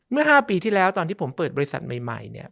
เมื่อ๕ปีที่แล้วตอนที่ผมเปิดบริษัทใหม่เนี่ย